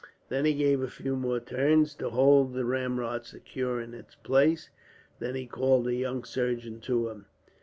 Then he gave a few more turns, to hold the ramrod securely in its place. Then he called a young surgeon to him.